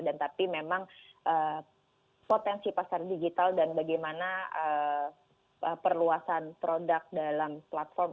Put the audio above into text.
dan tapi memang potensi pasar digital dan bagaimana perluasan produk dalam platform